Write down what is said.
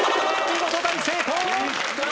見事大成功！